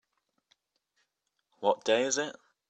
What day is it?